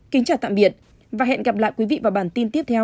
kính chào tạm biệt và hẹn gặp lại quý vị vào bản tin tiếp theo